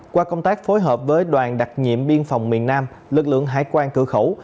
qua công tác phối hợp với đoàn đặc nhiệm biên phòng miền nam lực lượng hải quan cửa khẩu